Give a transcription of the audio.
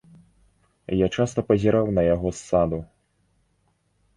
Я часта пазіраў на яго з саду.